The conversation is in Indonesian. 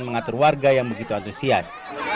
mengatur warga yang begitu antusias